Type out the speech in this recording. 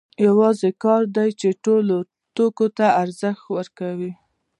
یوازې کار دی چې ټولو توکو ته ارزښت ورکوي